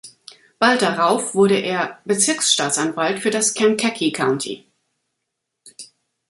Bald darauf wurde er Bezirksstaatsanwalt für das Kankakee County.